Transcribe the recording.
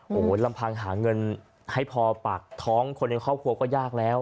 โอ้โหลำพังหาเงินให้พอปากท้องคนในครอบครัวก็ยากแล้ว